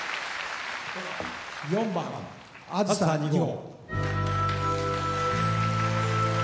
４番「あずさ２号」。